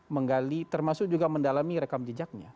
menggali termasuk juga mendalami rekam jejaknya